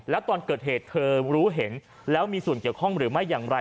แล้วตอนเกิดเหตุเธอรู้เห็นแล้วมีส่วนเกี่ยวข้องหรือไม่อย่างไร